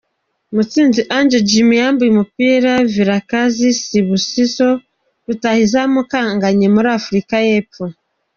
Mutsinzi Ange Jimmy yambura umupira Vilakazi Sibusiso rutahizamu ukanganye muri Afurika y’Epfo